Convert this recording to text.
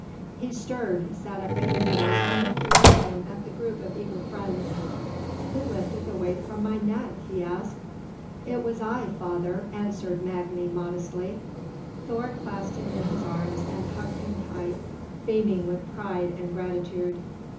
He stirred, sat up painfully, and looked around him at the group of eager friends. "Who lifted the weight from my neck?" he asked. "It was I, father," answered Magni modestly. Thor clasped him in his arms and hugged him tight, beaming with pride and gratitude.